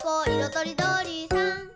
とりどりさん」